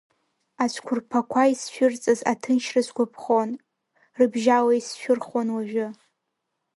Ацәқәырԥақәа исшәырҵаз аҭынчра сгәаԥхон, рыбжьала исшәырхуан уажәы.